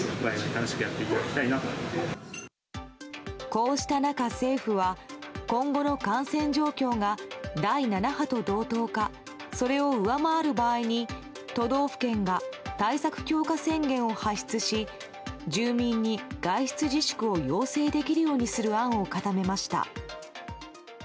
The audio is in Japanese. こうした中、政府は今後の感染状況が第７波と同等かそれを上回る場合に都道府県が対策強化宣言を発出し住民に外出自粛を要請できるようにする案を固めました。